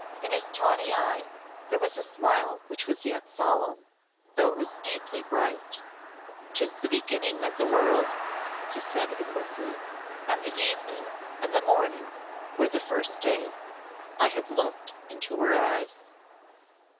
In his tawny eye there was a smile which was yet solemn though it was deeply bright. "'Tis the beginning of the world," he said inwardly "'And the evening and the morning were the first day.' I have looked into her eyes."